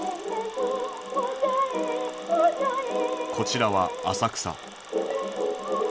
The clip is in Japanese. こちらは浅草。